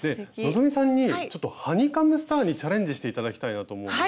希さんにちょっとハニカムスターにチャレンジして頂きたいなと思うんですが。